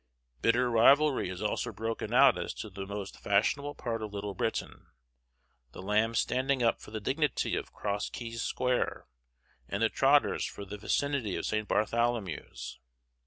Bitter rivalry has also broken out as to the most fashionable part of Little Britain, the Lambs standing up for the dignity of Cross Keys Square, and the Trotters for the vicinity of St. Bartholomew's.